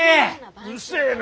うるせえな。